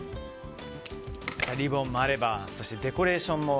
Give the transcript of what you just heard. リボンもあればデコレーションも。